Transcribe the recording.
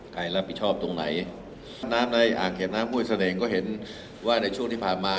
ใครรับผิดชอบตรงไหนน้ำในอ่างเก็บน้ำห้วยเสน่ห์ก็เห็นว่าในช่วงที่ผ่านมา